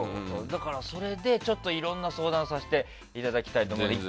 だから、それでいろんな相談をさせていただきたいと思います。